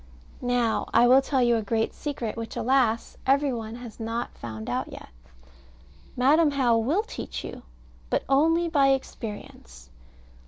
Now I will tell you a great secret, which, alas! every one has not found out yet. Madam How will teach you, but only by experience.